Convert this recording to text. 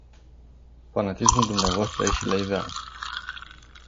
Fanatismul dvs. a ieșit la iveală.